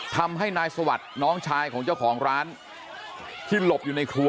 ทำให้นายสวัสดิ์น้องชายของเจ้าของร้านที่หลบอยู่ในครัว